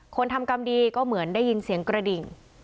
ทำกรรมดีก็เหมือนได้ยินเสียงกระดิ่ง